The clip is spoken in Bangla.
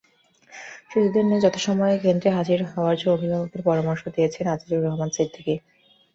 শিশুদের নিয়ে যথাসময়ে কেন্দ্রে হাজির হওয়ার জন্য অভিভাবকদের পরামর্শ দিয়েছেন আজিজুর রহমান সিদ্দিকী।